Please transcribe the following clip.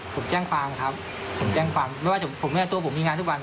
ผมแจ้งความครับผมแจ้งความไม่ว่าผมเนี่ยตัวผมมีงานทุกวัน